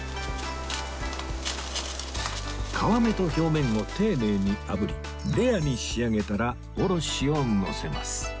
皮目と表面を丁寧にあぶりレアに仕上げたらおろしをのせます